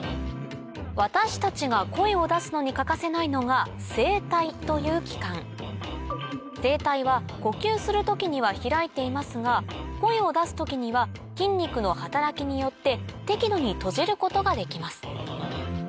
私たちが声を出すのに欠かせないのが声帯という器官声帯は呼吸する時には開いていますが声を出す時には筋肉の働きによって適度に閉じることができます